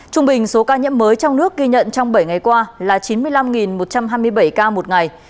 trung bình số ca nhiễm mới trong nước ghi nhận trong bảy ngày qua là chín mươi năm một trăm hai mươi bảy ca một ngày